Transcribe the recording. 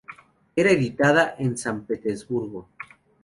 Era editada en San Petersburgo.